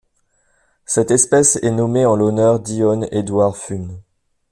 Cette espèce est nommée en l'honneur d'Ion Eduard Fuhn.